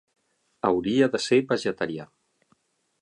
Hauria de ser vegetarià.